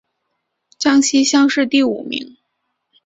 江西乡试第五名。